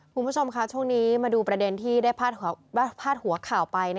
คุณผู้ชมค่ะช่วงนี้มาดูประเด็นที่ได้พาดหัวข่าวไป